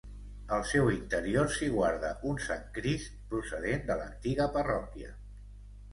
Al seu interior s'hi guarda un Sant Crist procedent de l'antiga parròquia.